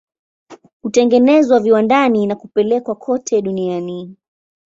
Hutengenezwa viwandani na kupelekwa kote duniani.